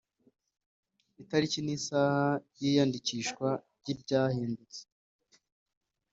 itariki n isaha y iyandikishwa ry ibyahindutse